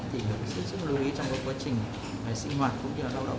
thì đồng sĩ sẽ lưu ý trong các quá trình sĩ hoạt cũng như là lao động hoặc ở ngoài môi trường